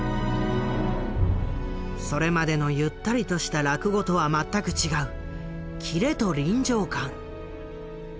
それまでのゆったりとした落語とは全く違うキレと臨場感。